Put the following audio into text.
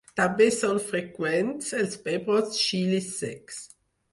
També són freqüents els pebrots xilis secs.